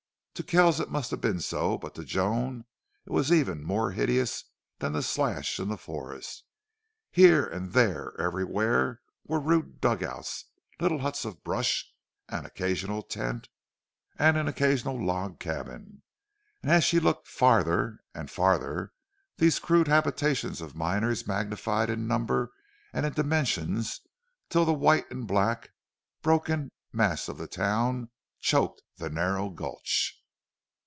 To Kells it must have been so, but to Joan it was even more hideous than the slash in the forest. Here and there, everywhere, were rude dugouts, little huts of brush, an occasional tent, and an occasional log cabin; and as she looked farther and farther these crude habitations of miners magnified in number and in dimensions till the white and black broken, mass of the town choked the narrow gulch.